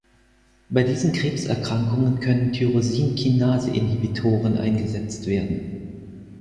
Bei diesen Krebserkrankungen können Tyrosinkinase-Inhibitoren eingesetzt werden.